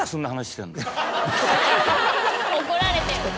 怒られてる。